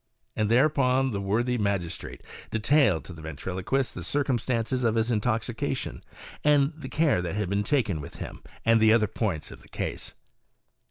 And thereupon the worthy magistrate detailed to the ventriloquist the circumstances of his intoxication, and the care that had been taken with him, with other points of the case.